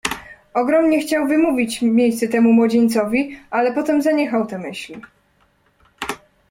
"Ogromnie chciał wymówić miejsce temu młodzieńcowi, ale potem zaniechał tę myśl."